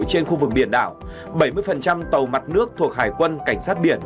trên khu vực biển đảo bảy mươi tàu mặt nước thuộc hải quân cảnh sát biển